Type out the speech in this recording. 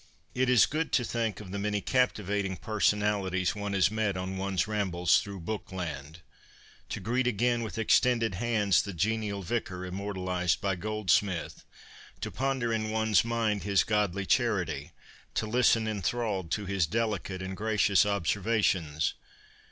It is good to think of the many captivating per sonalities one has met on one's rambles through ' Bookland '— to greet again with extended hands the genial Vicar immortalized by Goldsmith, to ponder in one's mind his godly charity, to listen enthralled to his delicate and gracious observations.